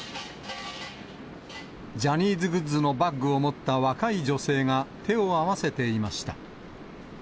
ジャニーズグッズのバッグを持った若い女性が手を合わせていました。